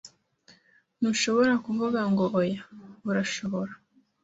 Ntushobora kuvuga ngo oya , urashobora?